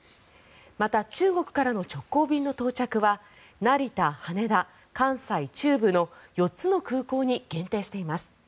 また、中国からの直行便の到着は成田、羽田、関西、中部の４つの空港に限定しています。